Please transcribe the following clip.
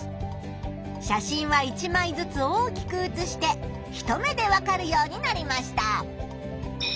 写真は１まいずつ大きくうつして一目でわかるようになりました。